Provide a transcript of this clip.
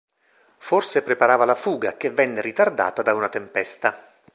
Forse preparava la fuga, che venne ritardata da una tempesta.